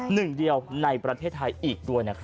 หนึ่งเดียวในประเทศไทยอีกด้วยนะครับ